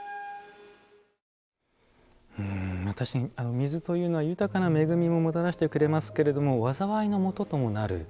水というのは豊かな恵みももたらしてくれますけれども災いの元ともなる。